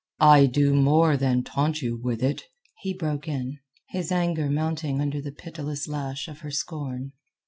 "I do more than taunt you with it," he broke in, his anger mounting under the pitiless lash of her scorn.